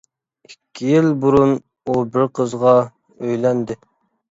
ئىككى يىل بۇرۇن، ئۇ بىر قىزغا ئۆيلەندى.